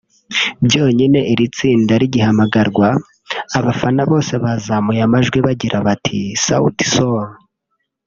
Byonyine iri tsinda rigihamagarwa abafana bose bazamuye amajwi bagira bati ‘Sauti Sol